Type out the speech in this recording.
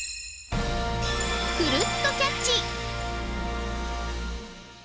くるっとキャッチ。